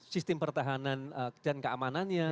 sistem pertahanan dan keamanannya